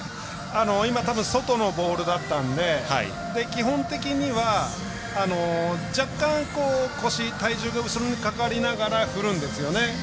今、たぶん外のボールだったんで基本的には若干、腰、体重が後ろにかかりながら振るんですよね。